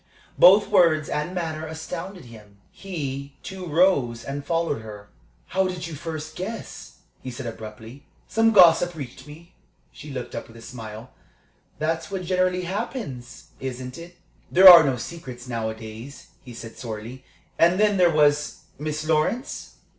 Both words and manner astounded him. He, too, rose and followed her. "How did you first guess?" he said, abruptly. "Some gossip reached me." She looked up with a smile. "That's what generally happens, isn't it?" "There are no secrets nowadays," he said, sorely. "And then, there was Miss Lawrence?"